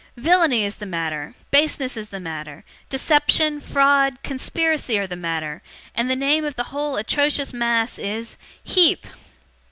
Villainy is the matter; baseness is the matter; deception, fraud, conspiracy, are the matter; and the name of the whole atrocious mass is HEEP!